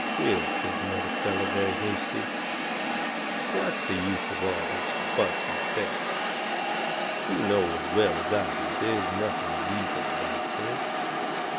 "Will," says another feller, very hasty, "what's the use of all this fuss an' feathers? You know as well as I do there's nothing legal about this.